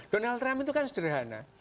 donald trump itu kan sederhana